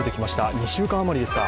２週間余りですか。